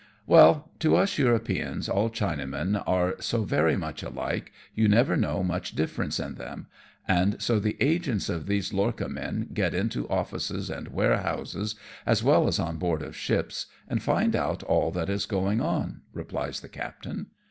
"Well, to us Europeans all Chinamen are so very much alike, you never know much difference in them, and so the agents of these lorcha men get into offices and warehouses, as well as on board of ships, and find out all that is going on/' replies the captain.